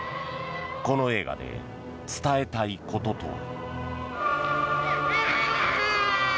この映画で伝えたいこととは。